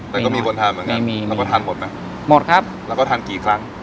แต่ก็มีคนทานเหมือนกันไม่มีเราก็ทานหมดไหมหมดครับแล้วก็ทานกี่ครั้ง